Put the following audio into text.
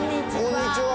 こんにちは。